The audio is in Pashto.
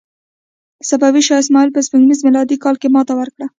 صفوي شاه اسماعیل په سپوږمیز میلادي کال کې ماتې ورکړه.